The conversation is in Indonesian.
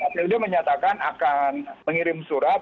kpud menyatakan akan mengirim surat